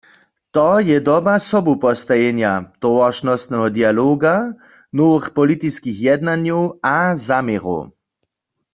To je doba sobupostajenja, towaršnostneho dialoga, nowych politiskich jednanjow a zaměrow.